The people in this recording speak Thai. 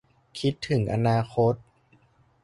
คิดถึงอนาคต